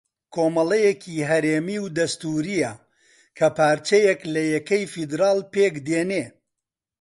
کۆمەڵەیەکی ھەرێمی و دەستوورییە کە پارچەیەک لە یەکەی فێدراڵ پێک دێنێ